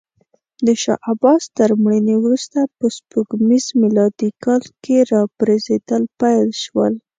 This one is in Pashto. د شاه عباس تر مړینې وروسته په سپوږمیز میلادي کال کې راپرزېدل پیل شول.